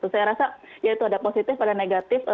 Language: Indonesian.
saya rasa ya itu ada positif ada negatif